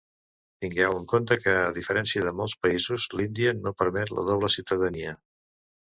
Tingueu en compte que, a diferència de molts països, l'Índia no permet la doble ciutadania.